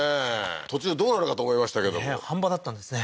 途中どうなるかと思いましたけども飯場だったんですね